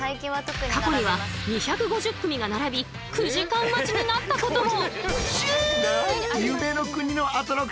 過去には２５０組が並び９時間待ちになったことも。